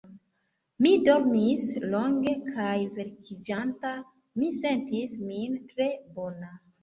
Mi dormis longe, kaj vekiĝanta mi sentis min tre bona.